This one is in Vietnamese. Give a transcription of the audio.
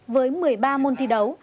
với một mươi ba môn thi đấu